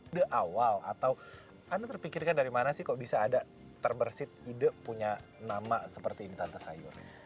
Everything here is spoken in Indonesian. the awal atau anda terpikirkan dari mana sih kok bisa ada terbersih ide punya nama seperti ini tante sayur